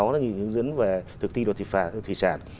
là nghị định hướng dẫn về thực thi luật thị sản